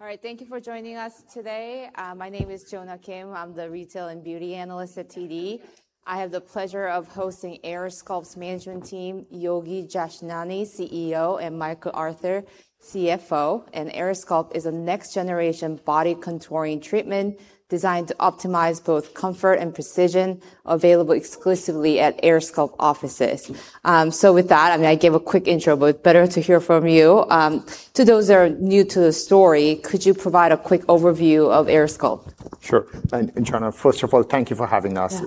All right. Thank you for joining us today. My name is Jonah Kim. I'm the retail and beauty analyst at TD. I have the pleasure of hosting AirSculpt's management team, Yogi Jashnani, CEO, and Mike Arthur, CFO. AirSculpt is a next-generation body contouring treatment designed to optimize both comfort and precision, available exclusively at AirSculpt offices. With that, I gave a quick intro, but better to hear from you. To those that are new to the story, could you provide a quick overview of AirSculpt? Sure. Jonah, first of all, thank you for having us.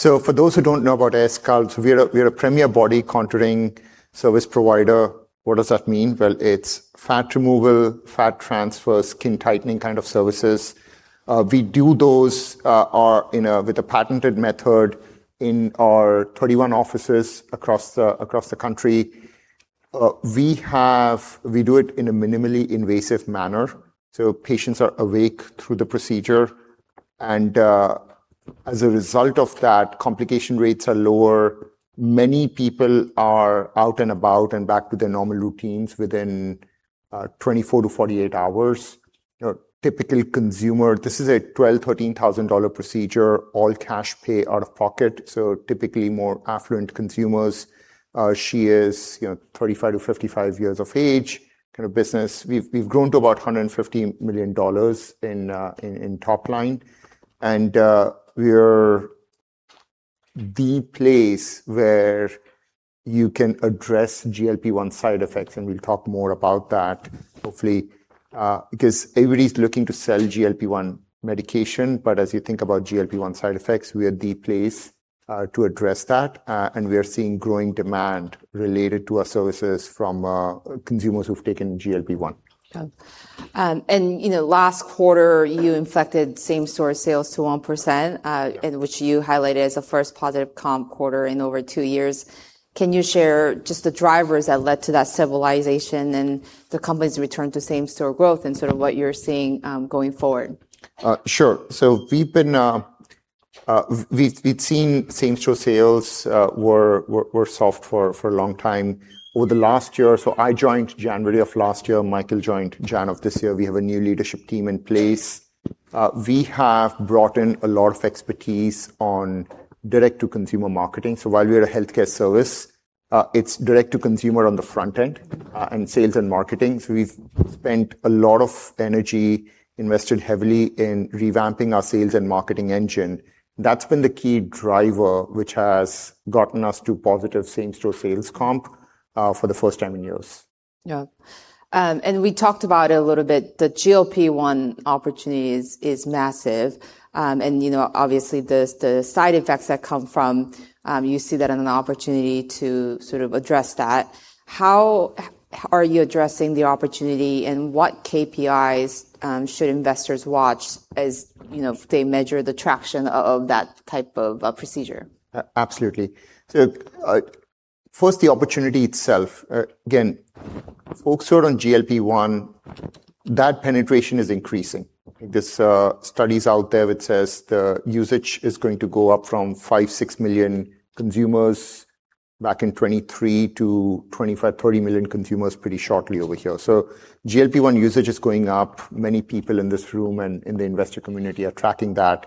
For those who don't know about AirSculpt, we are a premier body contouring service provider. What does that mean? Well, it's fat removal, fat transfer, skin tightening kind of services. We do those with a patented method in our 31 offices across the country. We do it in a minimally invasive manner, so patients are awake through the procedure. As a result of that, complication rates are lower. Many people are out and about and back to their normal routines within 24-48 hours. A typical consumer, this is a $12,000, $13,000 procedure, all cash pay out of pocket, so typically more affluent consumers. She is 35-55 years of age. Kind of business, we've grown to about $150 million in top line. We're the place where you can address GLP-1 side effects, and we'll talk more about that hopefully. Everybody's looking to sell GLP-1 medication, but as you think about GLP-1 side effects, we are the place to address that. We are seeing growing demand related to our services from consumers who've taken GLP-1. Yeah. Last quarter, you inflected same-store sales to 1%. Which you highlighted as the first positive comp quarter in over two years. Can you share just the drivers that led to that stabilization and the company's return to same-store growth and sort of what you're seeing going forward? Sure. We'd seen same-store sales were soft for a long time. Over the last year, I joined January of last year. Michael joined January of this year. We have a new leadership team in place. We have brought in a lot of expertise on direct-to-consumer marketing. While we are a healthcare service, it's direct-to-consumer on the front end, and sales and marketing. We've spent a lot of energy invested heavily in revamping our sales and marketing engine. That's been the key driver which has gotten us to positive same-store sales comp for the first time in years. Yeah. We talked about it a little bit, the GLP-1 opportunity is massive. Obviously, the side effects that come from, you see that as an opportunity to sort of address that. How are you addressing the opportunity, and what KPIs should investors watch as they measure the traction of that type of procedure? Absolutely. First, the opportunity itself. Again, folks who are on GLP-1, that penetration is increasing. There's studies out there which says the usage is going to go up from five million to six million consumers back in 2023 to 25 million-30 million consumers pretty shortly over here. GLP-1 usage is going up. Many people in this room and in the investor community are tracking that.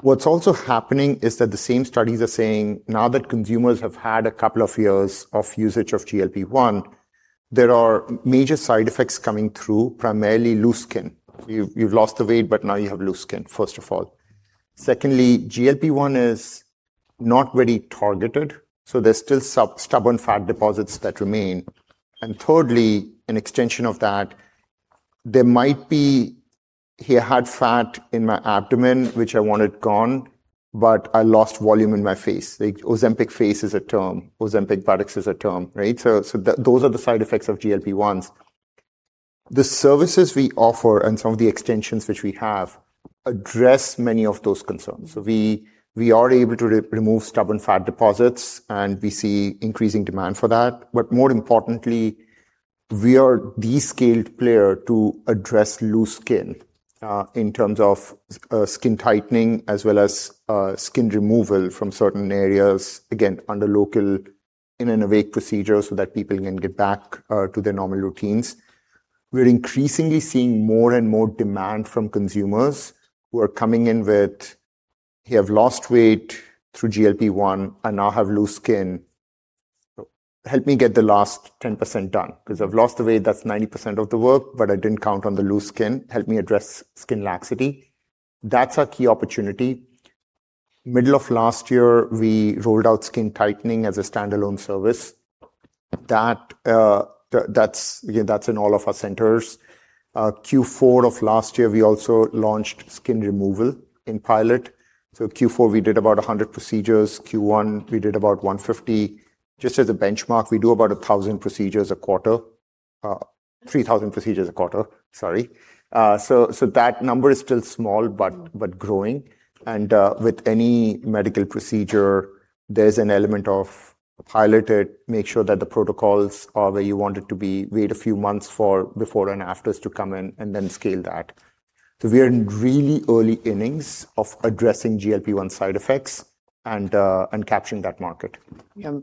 What's also happening is that the same studies are saying now that consumers have had a couple of years of usage of GLP-1, there are major side effects coming through, primarily loose skin. You've lost the weight, but now you have loose skin, first of all. Secondly, GLP-1 is not very targeted. There's still stubborn fat deposits that remain. Thirdly, an extension of that, there might be, "Here I had fat in my abdomen, which I wanted gone, but I lost volume in my face." The Ozempic face is a term, Ozempic buttocks is a term, right. Those are the side effects of GLP-1s. The services we offer and some of the extensions which we have address many of those concerns. We are able to remove stubborn fat deposits, and we see increasing demand for that. More importantly, we are the scaled player to address loose skin, in terms of skin tightening as well as skin removal from certain areas, again, under local in an awake procedure so that people can get back to their normal routines. We're increasingly seeing more and more demand from consumers who are coming in with, "Hey, I've lost weight through GLP-1. I now have loose skin. Help me get the last 10% done. I've lost the weight, that's 90% of the work, but I didn't count on the loose skin. Help me address skin laxity. That's our key opportunity. Middle of last year, we rolled out skin tightening as a standalone service. That's in all of our centers. Q4 of last year, we also launched skin removal in pilot. Q4, we did about 100 procedures. Q1, we did about 150. Just as a benchmark, we do about 1,000 procedures a quarter. 3,000 procedures a quarter, sorry. That number is still small but growing. With any medical procedure, there's an element of pilot it, make sure that the protocols are where you want it to be. Wait a few months for before and afters to come in, and then scale that. We are in really early innings of addressing GLP-1 side effects and capturing that market. Yeah.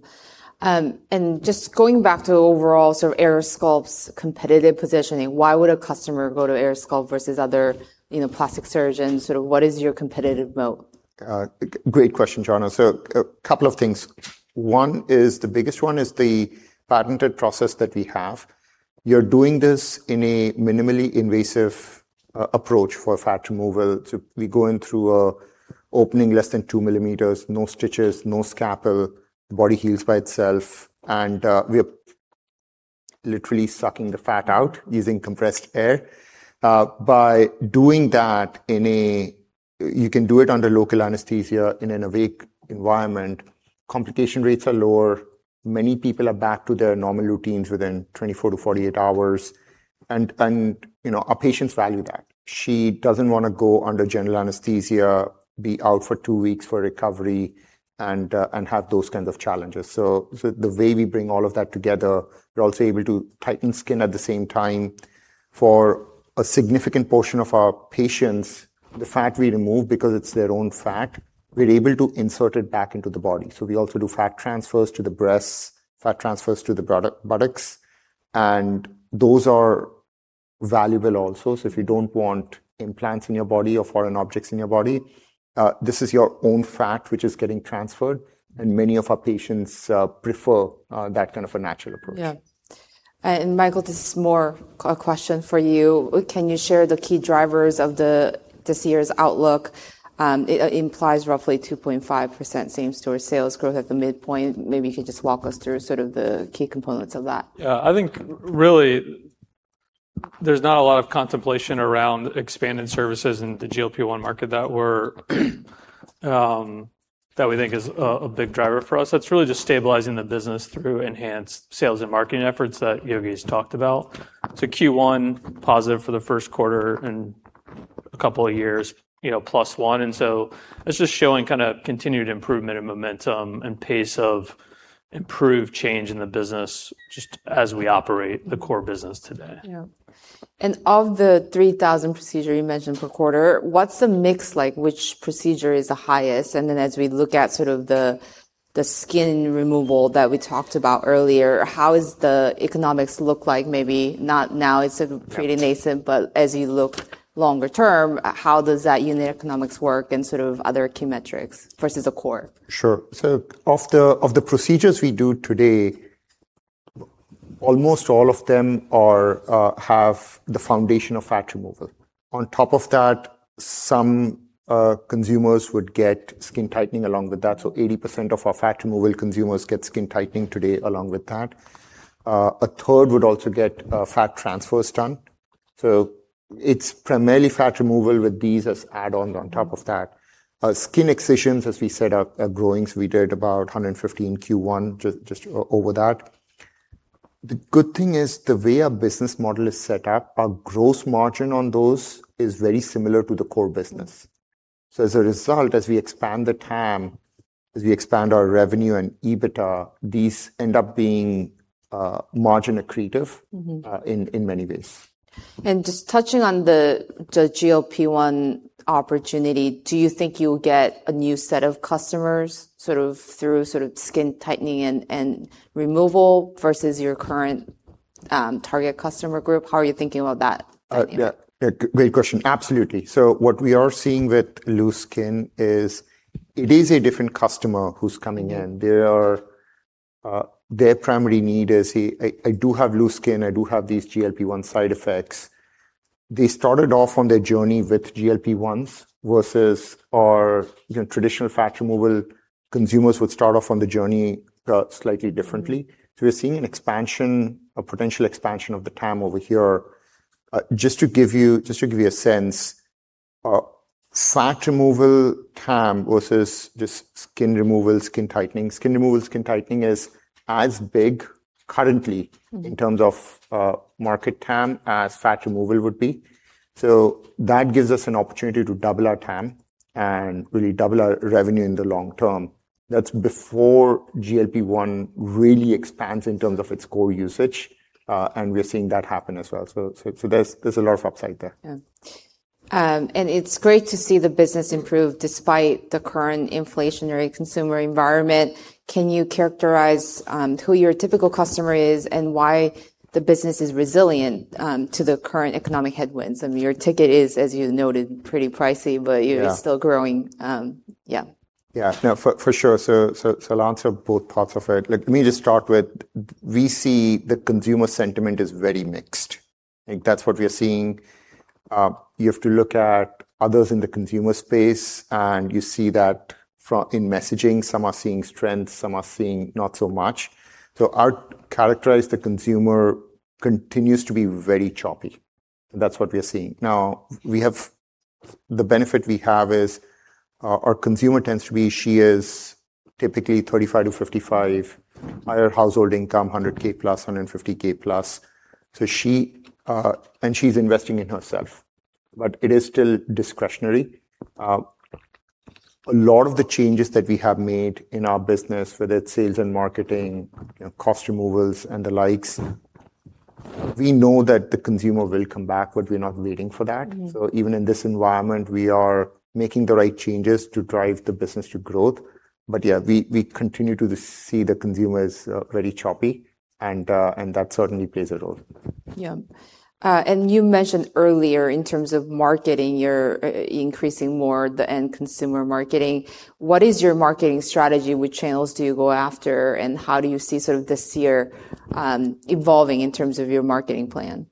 Just going back to overall sort of AirSculpt's competitive positioning, why would a customer go to AirSculpt versus other plastic surgeons? Sort of what is your competitive moat? Great question, Jonah. A couple of things. One is, the biggest one is the patented process that we have. You're doing this in a minimally invasive approach for fat removal. We go in through a opening less than two millimeters, no stitches, no scalpel. The body heals by itself. We are literally sucking the fat out using compressed air. By doing that, you can do it under local anesthesia in an awake environment. Complication rates are lower. Many people are back to their normal routines within 24 hours-48 hours. Our patients value that. She doesn't want to go under general anesthesia, be out for two weeks for recovery and have those kinds of challenges. The way we bring all of that together, we're also able to tighten skin at the same time. For a significant portion of our patients, the fat we remove because it's their own fat, we're able to insert it back into the body. We also do fat transfers to the breasts, fat transfers to the buttocks, and those are valuable also. If you don't want implants in your body or foreign objects in your body, this is your own fat which is getting transferred. Many of our patients prefer that kind of a natural approach. Yeah. Michael, this is more a question for you. Can you share the key drivers of this year's outlook? It implies roughly 2.5% same-store sales growth at the midpoint. Maybe you could just walk us through sort of the key components of that. Yeah, I think really there's not a lot of contemplation around expanded services in the GLP-1 market that we think is a big driver for us. That's really just stabilizing the business through enhanced sales and marketing efforts that Yogi's talked about. Q1 positive for the first quarter in a couple of years, plus one. That's just showing kind of continued improvement and momentum and pace of improved change in the business just as we operate the core business today. Yeah. Of the 3,000 procedure you mentioned per quarter, what's the mix like? Which procedure is the highest? Then as we look at sort of the skin removal that we talked about earlier, how is the economics look like? Maybe not now, it's pretty nascent, but as you look longer term, how does that unit economics work and sort of other key metrics versus the core? Sure. Of the procedures we do today, almost all of them have the foundation of fat removal. On top of that, some consumers would get skin tightening along with that. 80% of our fat removal consumers get skin tightening today along with that. A third would also get fat transfers done. It's primarily fat removal with these as add-ons on top of that. Skin excisions, as we said, are growing. We did about 115 Q1, just over that. The good thing is the way our business model is set up, our gross margin on those is very similar to the core business. As a result, as we expand the TAM, as we expand our revenue and EBITDA, these end up being margin accretive in many ways. Just touching on the GLP-1 opportunity, do you think you'll get a new set of customers sort of through skin tightening and removal versus your current target customer group? How are you thinking about that dynamic? Yeah. Great question. Absolutely. What we are seeing with loose skin is it is a different customer who's coming in. Their primary need is, "I do have loose skin. I do have these GLP-1 side effects." They started off on their journey with GLP-1s versus our traditional fat removal consumers would start off on the journey slightly differently. We're seeing an expansion, a potential expansion of the TAM over here. Just to give you a sense, fat removal TAM versus just skin removal, skin tightening. Skin removal, skin tightening is as big currently. in terms of market TAM as fat removal would be. That gives us an opportunity to double our TAM and really double our revenue in the long term. That's before GLP-1 really expands in terms of its core usage. We are seeing that happen as well. There's a lot of upside there. Yeah. It's great to see the business improve despite the current inflationary consumer environment. Can you characterize who your typical customer is and why the business is resilient to the current economic headwinds? I mean, your ticket is, as you noted, pretty pricey, but you're- still growing. Yeah. Yeah. No, for sure. I'll answer both parts of it. Let me just start with, we see the consumer sentiment is very mixed. I think that's what we are seeing. You have to look at others in the consumer space, and you see that in messaging, some are seeing strength, some are seeing not so much. I'd characterize the consumer continues to be very choppy. That's what we are seeing. The benefit we have is our consumer tends to be, she is typically 35-55, higher household income, 100K+, 150K+. She's investing in herself. It is still discretionary. A lot of the changes that we have made in our business, whether it's sales and marketing, cost removals and the likes, we know that the consumer will come back, but we're not waiting for that. Even in this environment, we are making the right changes to drive the business to growth. Yeah, we continue to see the consumer is very choppy, and that certainly plays a role. Yeah. You mentioned earlier in terms of marketing, you're increasing more the end consumer marketing. What is your marketing strategy? Which channels do you go after, and how do you see sort of this year evolving in terms of your marketing plan?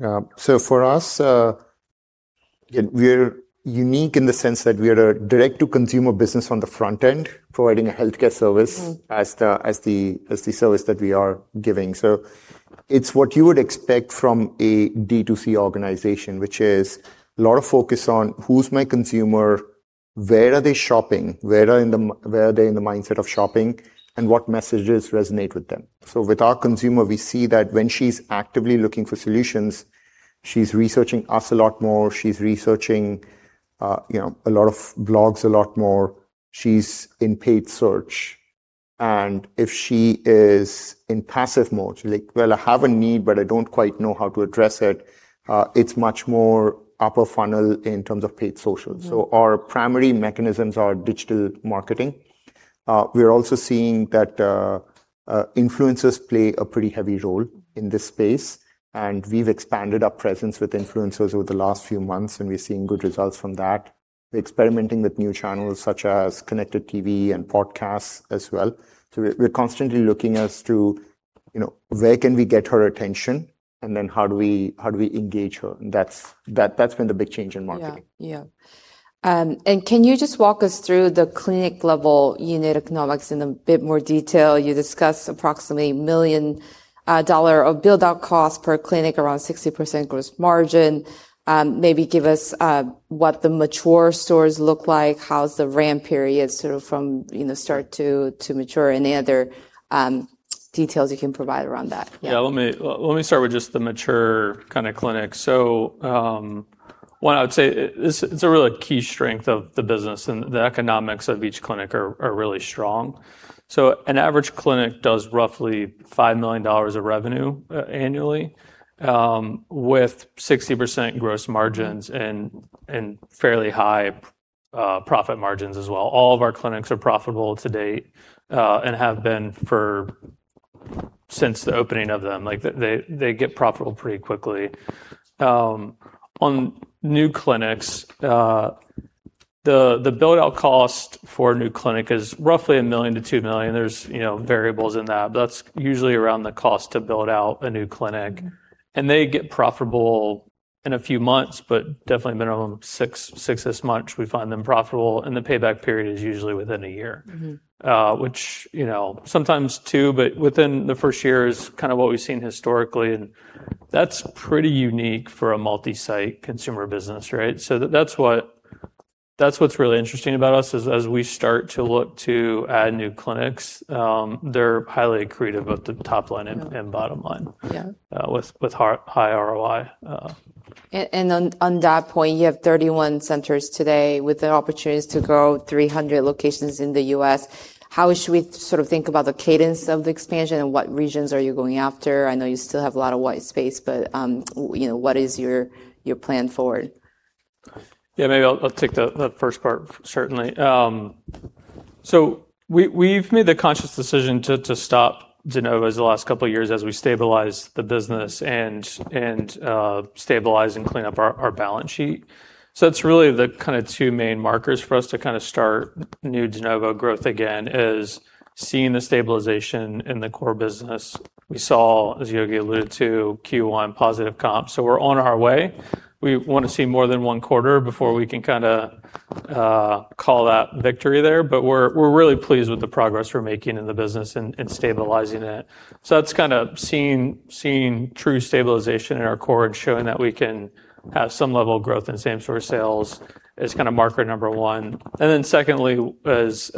Yeah. For us, we're unique in the sense that we are a direct-to-consumer business on the front end, providing a healthcare service as the service that we are giving. It's what you would expect from a D2C organization, which is a lot of focus on who's my consumer, where are they shopping, where are they in the mindset of shopping, and what messages resonate with them. With our consumer, we see that when she's actively looking for solutions, she's researching us a lot more. She's researching a lot of blogs a lot more. She's in paid search. If she is in passive mode, she's like, "Well, I have a need, but I don't quite know how to address it," it's much more upper funnel in terms of paid social. Our primary mechanisms are digital marketing. We're also seeing that influencers play a pretty heavy role in this space, and we've expanded our presence with influencers over the last few months, and we're seeing good results from that. We're experimenting with new channels such as connected TV and podcasts as well. We're constantly looking as to where can we get her attention, and then how do we engage her? That's been the big change in marketing. Can you just walk us through the clinic-level unit economics in a bit more detail? You discussed approximately $1 million of build-out cost per clinic, around 60% gross margin. Maybe give us what the mature stores look like. How's the ramp period sort of from start to mature? Any other details you can provide around that? Yeah, let me start with just the mature kind of clinic. One, I would say it's a really key strength of the business, and the economics of each clinic are really strong. An average clinic does roughly $5 million of revenue annually, with 60% gross margins. Fairly high profit margins as well. All of our clinics are profitable to date, and have been since the opening of them. Like, they get profitable pretty quickly. On new clinics, the build-out cost for a new clinic is roughly $1 million-$2 million. There's variables in that, but that's usually around the cost to build out a new clinic. They get profitable in a few months, but definitely minimum six-ish months, we find them profitable, and the payback period is usually within a year. Which, sometimes two, but within the first year is kind of what we've seen historically, and that's pretty unique for a multi-site consumer business, right? That's what's really interesting about us is as we start to look to add new clinics, they're highly accretive of the top line bottom line with high ROI. On that point, you have 31 centers today with the opportunities to grow 300 locations in the U.S. How should we sort of think about the cadence of the expansion, and what regions are you going after? I know you still have a lot of white space, but what is your plan forward? Yeah, maybe I'll take the first part, certainly. We've made the conscious decision to stop de novos the last couple of years as we stabilize the business and stabilize and clean up our balance sheet. It's really the kind of two main markers for us to kind of start new de novo growth again is seeing the stabilization in the core business. We saw, as Yogi alluded to, Q1 positive comp. We're on our way. We want to see more than one quarter before we can kind of call that victory there, but we're really pleased with the progress we're making in the business and stabilizing it. That's kind of seeing true stabilization in our core and showing that we can have some level of growth in same store sales is kind of marker number one. Secondly is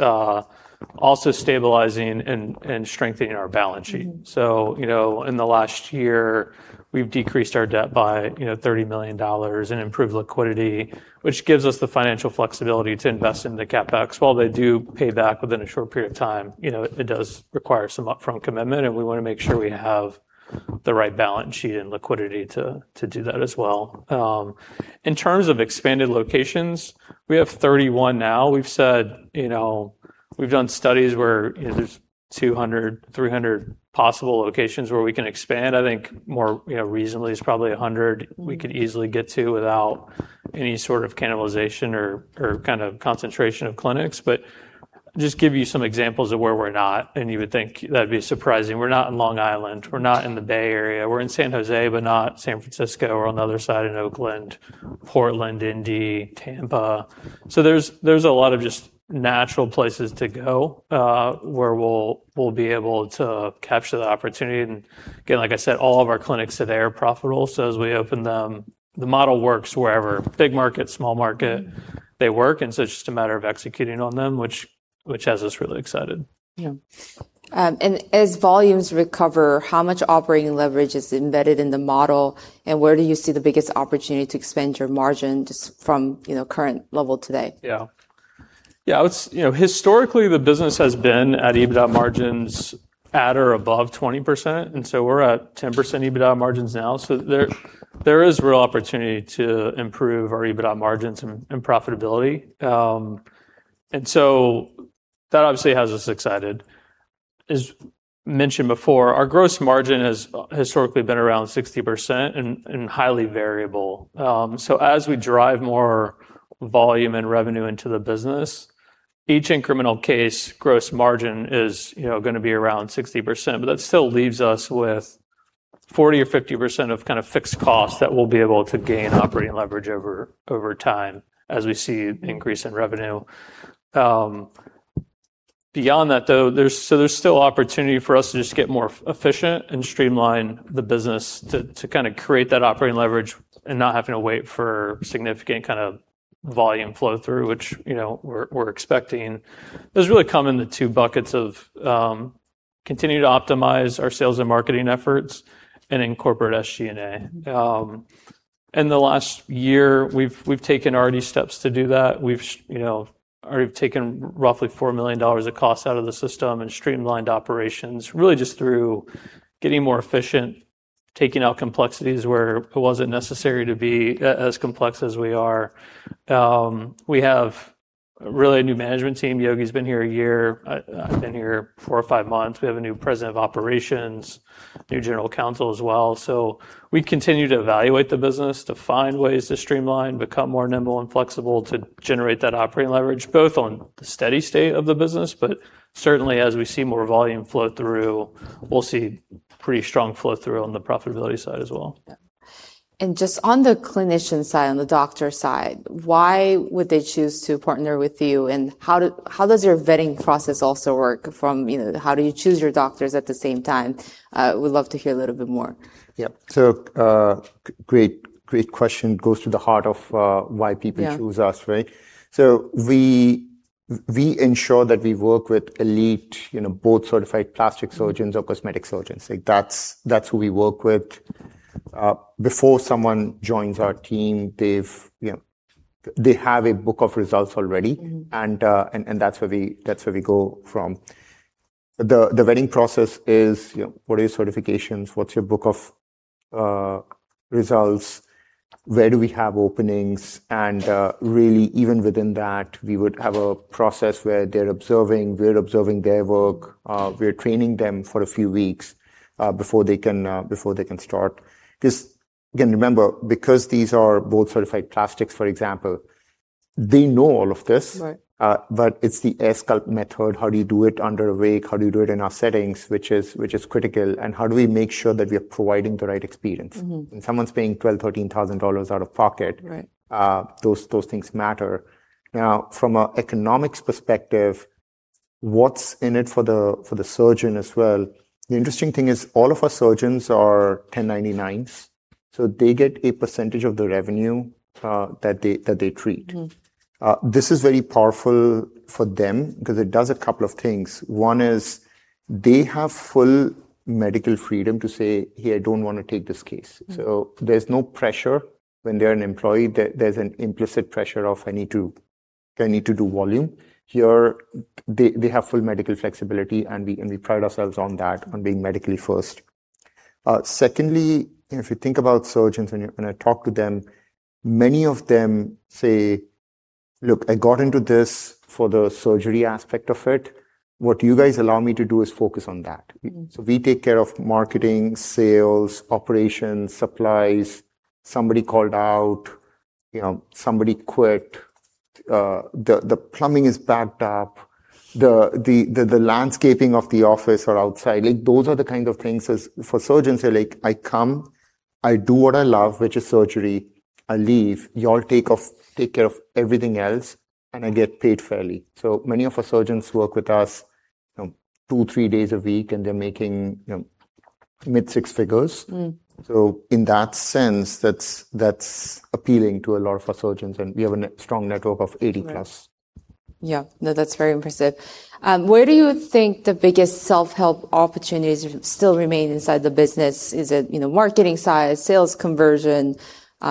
also stabilizing and strengthening our balance sheet. In the last year, we've decreased our debt by $30 million and improved liquidity, which gives us the financial flexibility to invest in the CapEx. While they do pay back within a short period of time, it does require some upfront commitment, and we want to make sure we have the right balance sheet and liquidity to do that as well. In terms of expanded locations, we have 31 now. We've done studies where there's 200, 300 possible locations where we can expand. I think more reasonably is probably 100 we could easily get to without any sort of cannibalization or kind of concentration of clinics. Just give you some examples of where we're not, and you would think that'd be surprising. We're not in Long Island. We're not in the Bay Area. We're in San Jose, but not San Francisco or on the other side in Oakland, Portland, Indy, Tampa. There's a lot of just natural places to go, where we'll be able to capture the opportunity. Again, like I said, all of our clinics today are profitable, so as we open them, the model works wherever. Big market, small market they work, it's just a matter of executing on them, which has us really excited. As volumes recover, how much operating leverage is embedded in the model, and where do you see the biggest opportunity to expand your margin just from current level today? Yeah. Historically, the business has been at EBITDA margins at or above 20%. We're at 10% EBITDA margins now. There is real opportunity to improve our EBITDA margins and profitability. That obviously has us excited. As mentioned before, our gross margin has historically been around 60% and highly variable. As we drive more volume and revenue into the business, each incremental case gross margin is going to be around 60%. That still leaves us with 40% or 50% of fixed costs that we'll be able to gain operating leverage over time as we see an increase in revenue. Beyond that, though, there's still opportunity for us to just get more efficient and streamline the business to create that operating leverage and not having to wait for significant volume flow-through, which we're expecting. Those really come in the two buckets of continue to optimize our sales and marketing efforts and in corporate SG&A. In the last year, we've taken already steps to do that. We've already taken roughly $4 million of costs out of the system and streamlined operations, really just through getting more efficient, taking out complexities where it wasn't necessary to be as complex as we are. We have, really, a new management team. Yogi's been here a year. I've been here four or five months. We have a new president of operations, new general counsel as well. We continue to evaluate the business to find ways to streamline, become more nimble and flexible to generate that operating leverage, both on the steady state of the business, but certainly as we see more volume flow through, we'll see pretty strong flow through on the profitability side as well. Yeah. Just on the clinician side, on the doctor side, why would they choose to partner with you, and how does your vetting process also work from how do you choose your doctors at the same time? Would love to hear a little bit more. Yeah. great question. Goes to the heart of why people choose us, right? We ensure that we work with elite board-certified plastic surgeons or cosmetic surgeons. Like, that's who we work with. Before someone joins our team, they have a book of results already. That's where we go from. The vetting process is what are your certifications? What's your book of results? Where do we have openings? Really even within that, we would have a process where they're observing, we're observing their work. We're training them for a few weeks before they can start. Because, again, remember, because these are board-certified plastics, for example, they know all of this. It's the AirSculpt method. How do you do it under awake? How do you do it in our settings? Which is critical, and how do we make sure that we are providing the right experience? When someone's paying $12,000, $13,000 out of pocket those things matter. From an economics perspective, what's in it for the surgeon as well? The interesting thing is all of our surgeons are 1099s, so they get a percentage of the revenue that they treat. This is very powerful for them because it does a couple of things. One is they have full medical freedom to say, "Hey, I don't want to take this case. There's no pressure. When they're an employee, there's an implicit pressure of, "I need to do volume." Here they have full medical flexibility, and we pride ourselves on that, on being medically first. Secondly, if you think about surgeons and I talk to them, many of them say, "Look, I got into this for the surgery aspect of it. What you guys allow me to do is focus on that. We take care of marketing, sales, operations, supplies. Somebody called out, somebody quit, the plumbing is backed up, the landscaping of the office or outside. Those are the kind of things as for surgeons, they're like, "I come, I do what I love, which is surgery. I leave. You all take care of everything else, and I get paid fairly." Many of our surgeons work with us two, three days a week, and they're making mid-six figures. In that sense, that's appealing to a lot of our surgeons, and we have a strong network of 80+. Right. Yeah. No, that's very impressive. Where do you think the biggest self-help opportunities still remain inside the business? Is it marketing side, sales conversion?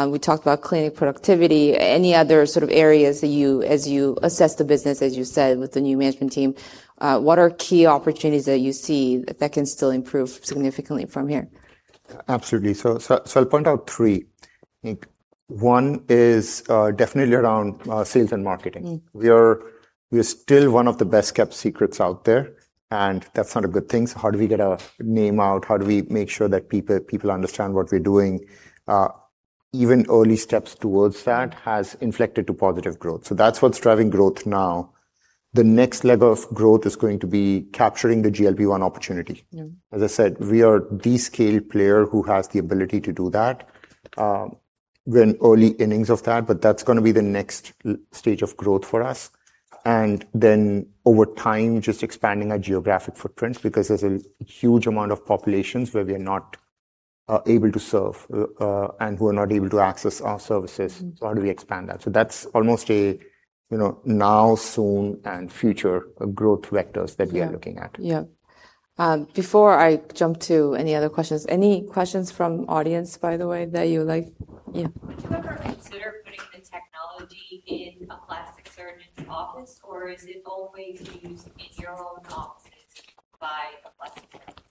We talked about clinic productivity. Any other sort of areas as you assess the business, as you said, with the new management team, what are key opportunities that you see that can still improve significantly from here? Absolutely. I'll point out three. One is definitely around sales and marketing. We are still one of the best-kept secrets out there, that's not a good thing. How do we get our name out? How do we make sure that people understand what we're doing? Even early steps towards that has inflected to positive growth. That's what's driving growth now. The next leg of growth is going to be capturing the GLP-1 opportunity. As I said, we are the scaled player who has the ability to do that. We're in early innings of that, but that's going to be the next stage of growth for us. Over time, just expanding our geographic footprint because there's a huge amount of populations where we're not able to serve, and who are not able to access our services. How do we expand that? That's almost a now, soon, and future growth vectors that we are looking at. Yeah. Before I jump to any other questions, any questions from audience, by the way, that you like? Would you ever consider putting the technology in a plastic surgeon's office, or is it always used in your own offices by a plastic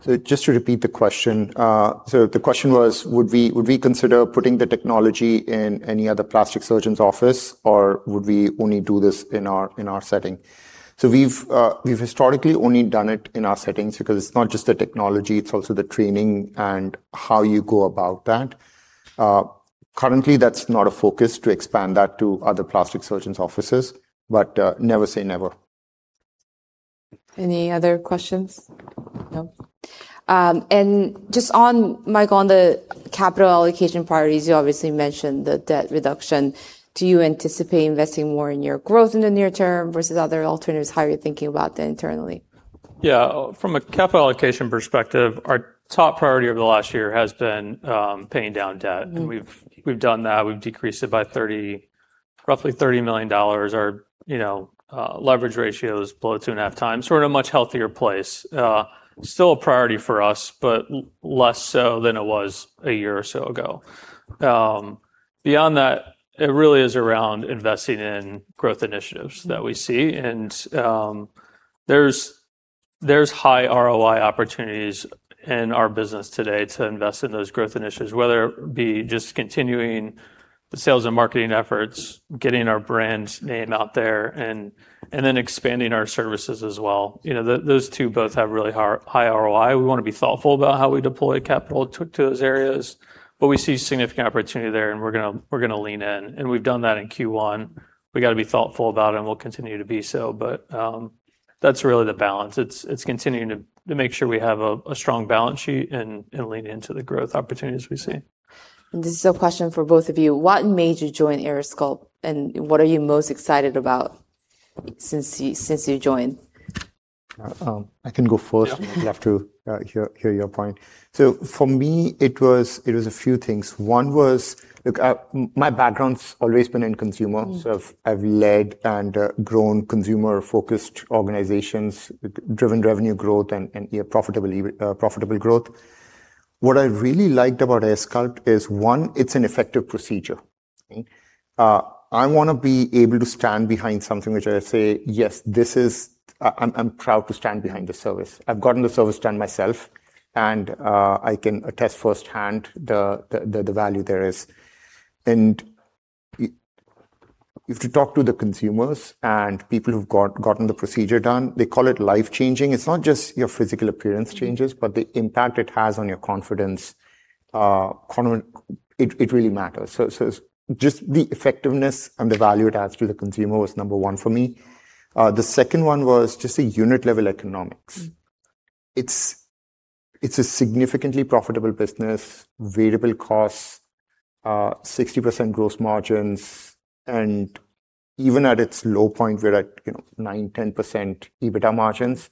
surgeon? Just to repeat the question. The question was, would we consider putting the technology in any other plastic surgeon's office, or would we only do this in our setting? We've historically only done it in our settings because it's not just the technology, it's also the training and how you go about that. Currently, that's not a focus to expand that to other plastic surgeons' offices, but never say never. Any other questions? Just on, Mike, on the capital allocation priorities, you obviously mentioned the debt reduction. Do you anticipate investing more in your growth in the near term versus other alternatives? How are you thinking about that internally? Yeah. From a capital allocation perspective, our top priority over the last year has been paying down debt. We've done that. We've decreased it by roughly $30 million. Our leverage ratio is below two and a half times. We're in a much healthier place. Still a priority for us, but less so than it was a year or so ago. Beyond that, it really is around investing in growth initiatives that we see. There's high ROI opportunities in our business today to invest in those growth initiatives, whether it be just continuing the sales and marketing efforts, getting our brand name out there, and then expanding our services as well. Those two both have really high ROI. We want to be thoughtful about how we deploy capital to those areas, but we see significant opportunity there, and we're going to lean in, and we've done that in Q1. We've got to be thoughtful about it, and we'll continue to do so. That's really the balance. It's continuing to make sure we have a strong balance sheet and lean into the growth opportunities we see. This is a question for both of you. What made you join AirSculpt, and what are you most excited about since you joined? I can go first. Yeah. I'd love to hear your point. For me, it was a few things. One was, look, my background's always been in consumer. I've led and grown consumer-focused organizations, driven revenue growth, and profitable growth. What I really liked about AirSculpt is, one, it's an effective procedure. I want to be able to stand behind something which I say, "Yes, I'm proud to stand behind this service." I've gotten the service done myself, and I can attest firsthand the value there is. If you talk to the consumers and people who've gotten the procedure done, they call it life-changing. It's not just your physical appearance changes, but the impact it has on your confidence, it really matters. Just the effectiveness and the value it adds to the consumer was number one for me. The second one was just the unit-level economics. It's a significantly profitable business, variable costs, 60% gross margins, even at its low point, we're at 9%, 10% EBITDA margins.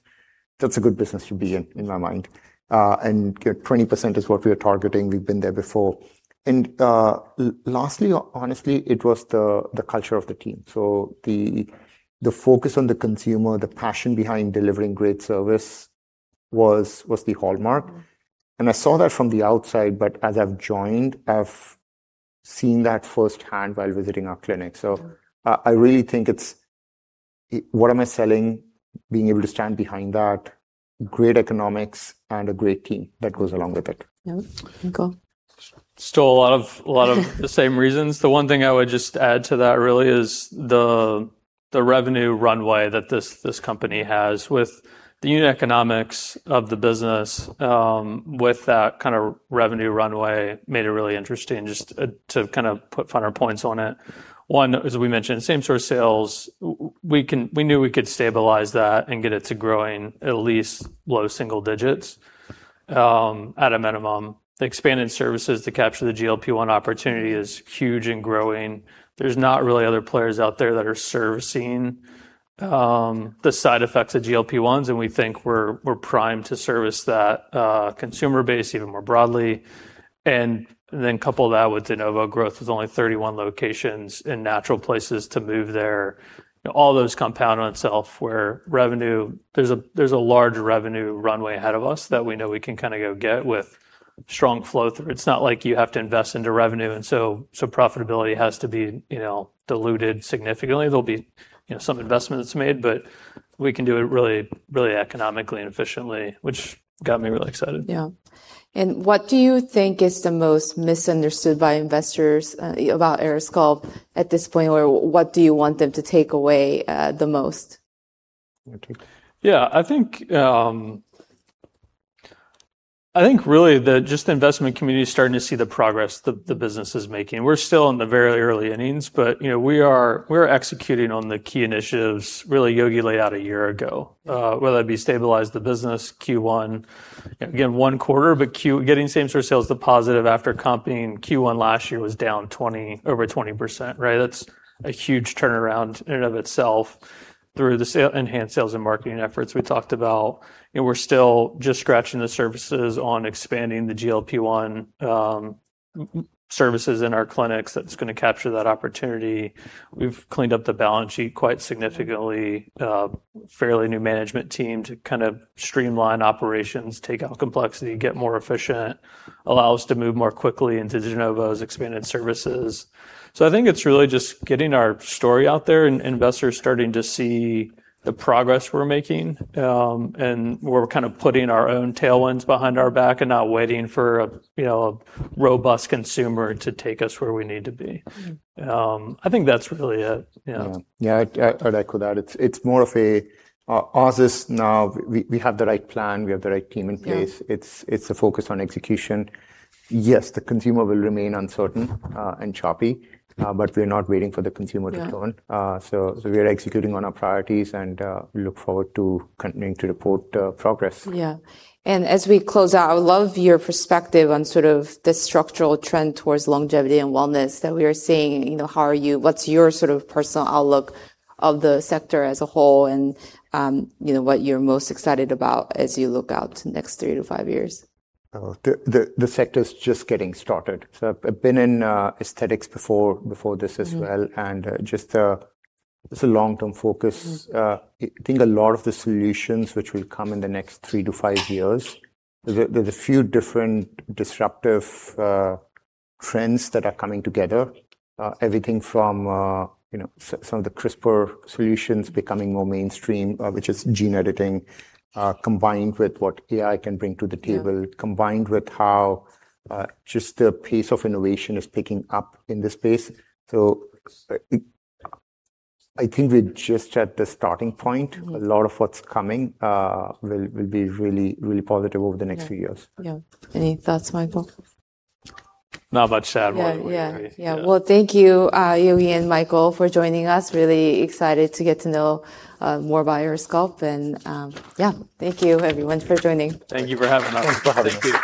That's a good business to be in my mind. 20% is what we are targeting. We've been there before. Lastly, honestly, it was the culture of the team. The focus on the consumer, the passion behind delivering great service was the hallmark. I saw that from the outside, but as I've joined, I've seen that firsthand while visiting our clinic. I really think it's what am I selling, being able to stand behind that, great economics, and a great team that goes along with it. Yeah. Cool. Still a lot of the same reasons. The one thing I would just add to that really is the revenue runway that this company has with the unit economics of the business, with that kind of revenue runway, made it really interesting just to kind of put finer points on it. One, as we mentioned, same-store sales, we knew we could stabilize that and get it to growing at least low single digits at a minimum. The expanded services to capture the GLP-1 opportunity is huge and growing. There's not really other players out there that are servicing the side effects of GLP-1s, and we think we're primed to service that consumer base even more broadly. Couple that with de novo growth with only 31 locations and natural places to move there. All those compound on itself where there's a large revenue runway ahead of us that we know we can kind of go get with strong flow through. It's not like you have to invest into revenue, profitability has to be diluted significantly. There'll be some investments made, we can do it really economically and efficiently, which got me really excited. Yeah. What do you think is the most misunderstood by investors about AirSculpt at this point? Or what do you want them to take away the most? I think really just the investment community is starting to see the progress the business is making. We're still in the very early innings, but we're executing on the key initiatives really Yogi laid out a year ago. Whether that be stabilize the business Q1, again, one quarter, but getting same-store sales to positive after comping Q1 last year was down over 20%, right? That's a huge turnaround in and of itself through the enhanced sales and marketing efforts we talked about. We're still just scratching the surfaces on expanding the GLP-1 services in our clinics that's going to capture that opportunity. We've cleaned up the balance sheet quite significantly. Fairly new management team to kind of streamline operations, take out complexity, get more efficient, allow us to move more quickly into de novo's expanded services. I think it's really just getting our story out there and investors starting to see the progress we're making. We're kind of putting our own tailwinds behind our back and not waiting for a robust consumer to take us where we need to be. I think that's really it. Yeah. Yeah. I'd echo that. It's more of a us now, we have the right plan, we have the right team in place. It's a focus on execution. Yes, the consumer will remain uncertain and choppy. We're not waiting for the consumer to turn. We're executing on our priorities, and we look forward to continuing to report progress. Yeah. As we close out, I would love your perspective on sort of the structural trend towards longevity and wellness that we are seeing. What's your sort of personal outlook of the sector as a whole and what you're most excited about as you look out to next three to five years? Oh, the sector's just getting started. I've been in aesthetics before this as well. Just it's a long-term focus. I think a lot of the solutions which will come in the next three to five years, there's a few different disruptive trends that are coming together. Everything from some of the CRISPR solutions becoming more mainstream, which is gene editing, combined with what AI can bring to the table combined with how just the pace of innovation is picking up in this space. I think we're just at the starting point. A lot of what's coming will be really positive over the next few years. Yeah. Any thoughts, Michael? Not much to add really. Yeah. I agree. Yeah. Thank you, Yogi and Mike, for joining us. Really excited to get to know more about AirSculpt and yeah, thank you everyone for joining. Thank you for having us. Thanks for having us. Thank you.